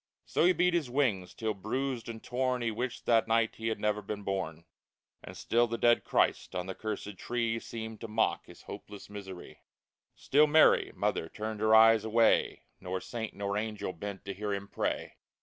So had he beat his wings till, bruised and torn, He wished that night he never had been born ! And still the dead CHRIST on the cursed tree Seemed but to mock his hopeless misery ; 142 FRIAR ANSELMO Still Mary mother turned her eyes away, Nor saint nor angel bent to hear him pray